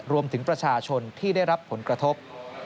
รวมถึงประชาชนที่ได้รับผลกระทบ